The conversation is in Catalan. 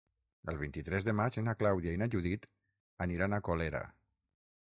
El vint-i-tres de maig na Clàudia i na Judit aniran a Colera.